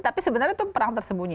tapi sebenarnya itu perang tersembunyi